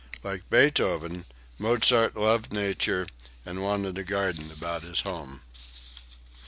Like Beethoven, Mozart loved nature and wanted a garden about his home.)